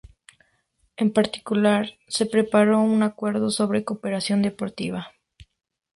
En particular, se preparó un acuerdo sobre "cooperación deportiva".